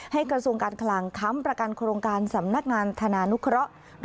กระทรวงการคลังค้ำประกันโครงการสำนักงานธนานุเคราะห์